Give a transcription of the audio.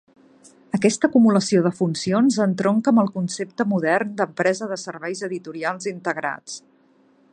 Aquesta acumulació de funcions entronca amb el concepte modern d'empresa de serveis editorials integrats.